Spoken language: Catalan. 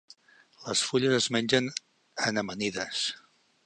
Les fulles es mengen en amanides.